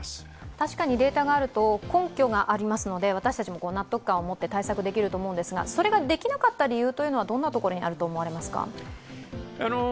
確かにデータがあると根拠がありますので私たちも納得感を持って対策できると思うんですが、それができなかった理由はどんなところにあると思われますか。